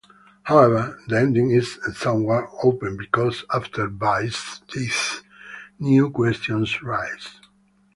However, the ending is somewhat open because after Vise's "death", new questions rise.